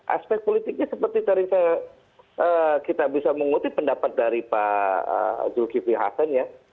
aspek politiknya seperti tadi kita bisa mengutip pendapat dari pak zulkifli hasan ya